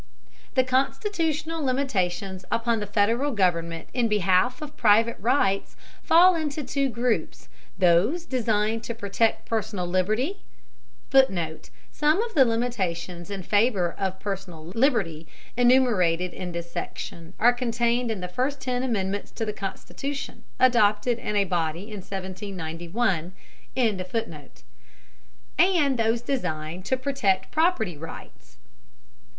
] The constitutional limitations upon the Federal government in behalf of private rights fall into two groups: those designed to protect personal liberty, [Footnote: Some of the limitations in favor of personal liberty enumerated in this section are contained in the first ten amendments to the Constitution, adopted in a body in 1791.] and those designed to protect property rights.